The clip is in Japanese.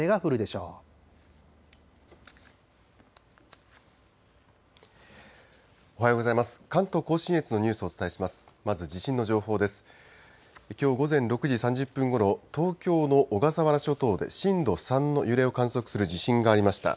きょう午前６時３０分ごろ、東京の小笠原諸島で震度３の揺れを観測する地震がありました。